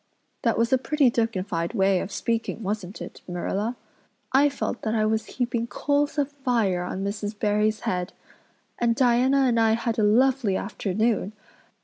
That was a pretty dignified way of speaking wasn't it, Marilla?" "I felt that I was heaping coals of fire on Mrs. Barry's head. And Diana and I had a lovely afternoon.